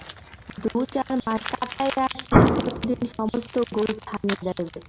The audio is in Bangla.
দু-চার মাস কাটাইয়া আসিলে ততদিন সমস্ত গোল থামিয়া যাইবে।